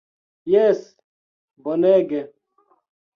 Jes! Bonege.